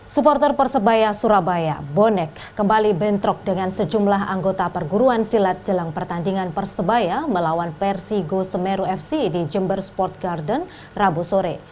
supporter persebaya surabaya bonek kembali bentrok dengan sejumlah anggota perguruan silat jelang pertandingan persebaya melawan persigo semeru fc di jember sport garden rabu sore